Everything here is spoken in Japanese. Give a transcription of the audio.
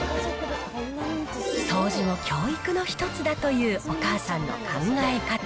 掃除も教育の一つだというお母さんの考え方。